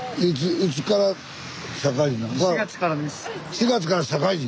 ４月から社会人？